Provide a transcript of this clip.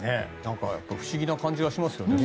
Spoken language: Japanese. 不思議な感じがしますけどね。